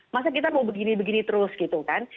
masa kita mau begini begini terus gitu kan